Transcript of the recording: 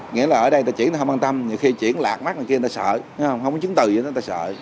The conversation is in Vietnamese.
nhiều khi chuyển lạc mắt người ta sợ không có chứng từ gì người ta sợ